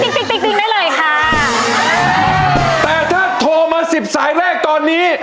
ติ๊กติ๊กติ๊กติ๊กได้เลยค่ะแต่ถ้าโทรมาสิบสายแรกตอนนี้